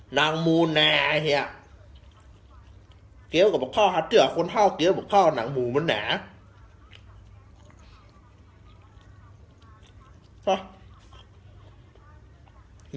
หนังหมูแหน่ะเหี้ยเกลียวกับข้าวฮัตเตอร์คนเฮ่าเกลียวกับข้าวหนังหมูมันแหน่ะ